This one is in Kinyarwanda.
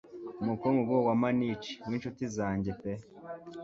umukungugu wa manic w'inshuti zanjye pe